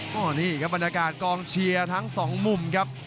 อ่านี่ค่ะบรรทาการ์ทรองเชียร์ทั้งสองมุมครับ